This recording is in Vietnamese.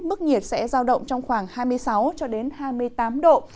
mức nhiệt sẽ giao động trong khoảng hai mươi sáu hai mươi tám độ